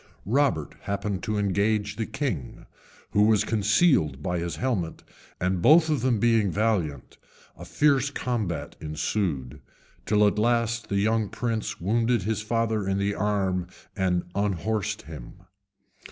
Robert happened to engage the king, who was concealed by his helmet, and, both of them being valiant, a fierce combat ensued, till at last the young prince wounded his father in the arm and unhorsed him.